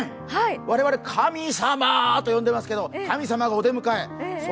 我々、神様と呼んでいますけれども神様がお出迎え。